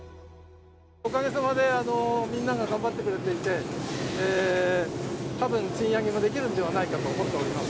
おかげさまで、みんなが頑張ってくれていて、たぶん賃上げもできるのではないかと思っております。